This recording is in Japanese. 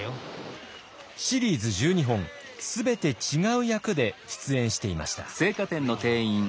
シリーズ１２本全て違う役で出演していました。